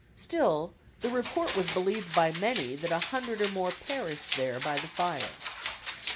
Still the report was believed by many that a hundred or more perished there by the fire.